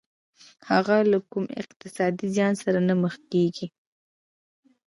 هغه له کوم اقتصادي زيان سره نه مخ کېږي.